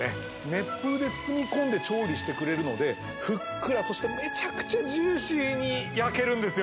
熱風で包み込んで調理してくれるのでふっくらそしてめちゃくちゃジューシーに焼けるんですよ